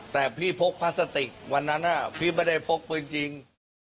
แต่พี่พกพลาสติกวันนั้นพี่ไม่ได้พกปืนจริง